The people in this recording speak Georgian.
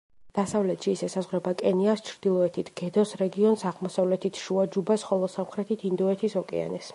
დასავლეთში ის ესაზღვრება კენიას, ჩრდილოეთით გედოს რეგიონს, აღმოსავლეთით შუა ჯუბას, ხოლო სამხრეთით ინდოეთის ოკეანეს.